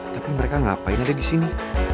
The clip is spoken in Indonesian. tapi mereka ngapain aja di sini